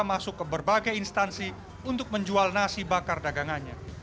masuk ke berbagai instansi untuk menjual nasi bakar dagangannya